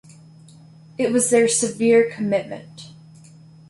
It was their severe commitment.